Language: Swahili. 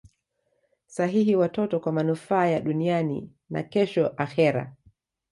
sahihi watoto kwa manufaa ya duniani na kesho akhera